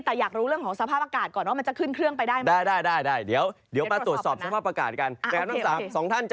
แต่อยากรู้เรื่องของสภาพอากาศก่อน